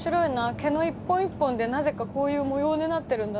毛の一本一本でなぜかこういう模様になってるんだな。